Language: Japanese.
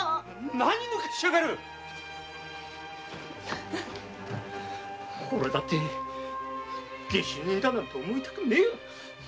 何をぬかしやがるオレだって下手人だなんて思いたくねぇよ。